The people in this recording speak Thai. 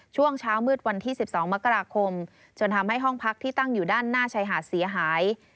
ช่วงเช้ามืดวันที่๑๒มกราคมจนทำให้ห้องพักที่ตั้งอยู่ด้านหน้าชายหาดเสียหาย